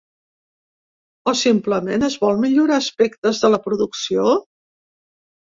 O simplement es vol millorar aspectes de la producció?